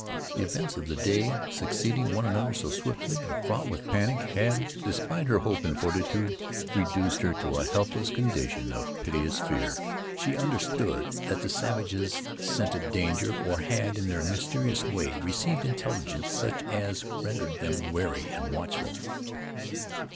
The events of the day succeeding one another so swiftly, and fraught with panic, had, despite her hope and fortitude, reduced her to a helpless condition of piteous fear. She understood that the savages scented danger, or had, in their mysterious way, received intelligence such as rendered them wary and watchful.